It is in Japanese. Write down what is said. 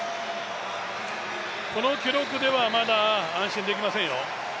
この記録ではまだ安心できませんよ。